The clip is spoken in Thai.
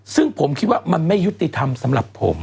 ซึ่งผมคิดว่ามันไม่ยุติธรรมสำหรับผม